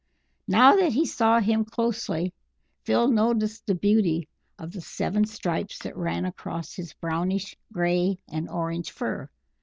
Now that he saw him closely, Phil noticed the beauty of the seven stripes that ran across his brownish grey and orange fur.